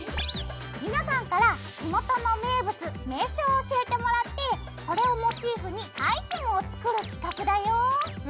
皆さんから地元の名物名所を教えてもらってそれをモチーフにアイテムを作る企画だよ！